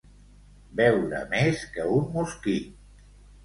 Beure més que un mosquit.